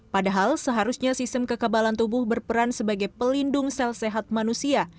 padahal seharusnya sistem kekebalan tubuh berperan sebagai pelindung sel sehat manusia